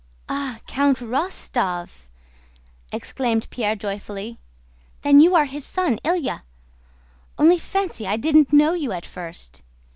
"Ah, Count Rostóv!" exclaimed Pierre joyfully. "Then you are his son, Ilyá? Only fancy, I didn't know you at first.